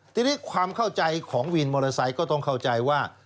ทีนี้ความเข้าใจของวินมอเตอร์ไซค์ก็ต้องเข้าใจว่า